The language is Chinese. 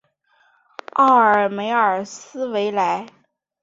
奥尔梅尔斯维莱。